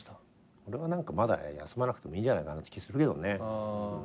俺はまだ休まなくてもいいんじゃないかなって気するけどね。